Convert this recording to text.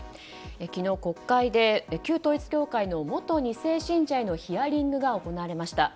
昨日、国会で旧統一教会の元２世信者へのヒアリングが行われました。